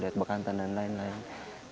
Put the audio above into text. lihat bekantan dan lain lain